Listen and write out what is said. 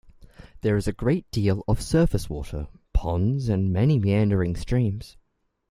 There is a great deal of surface water: ponds and many meandering streams.